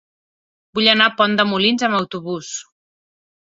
Vull anar a Pont de Molins amb autobús.